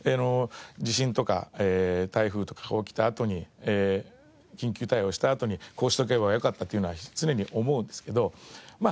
地震とか台風とか起きたあとに緊急対応したあとにこうしておけばよかったっていうのは常に思うんですけどま